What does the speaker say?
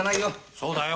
そうだよ。